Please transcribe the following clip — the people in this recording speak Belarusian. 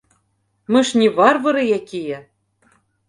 Мы ж не варвары якія!